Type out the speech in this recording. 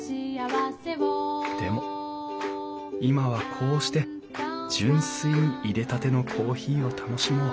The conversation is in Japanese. でも今はこうして純粋にいれたてのコーヒーを楽しもう